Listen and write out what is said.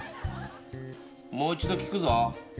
もう一度聞くぞ。